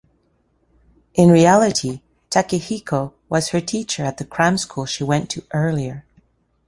In reality, Takehiko was her teacher at the cram school she went to earlier.